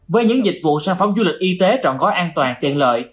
với những dịch vụ sản phẩm du lịch y tế trọn gói an toàn tiện lợi